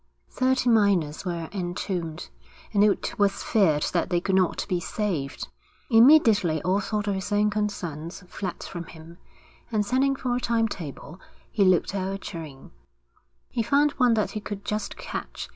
Thirty miners were entombed, and it was feared that they could not be saved. Immediately all thought of his own concerns fled from him, and sending for a time table, he looked out a train. He found one that he could just catch.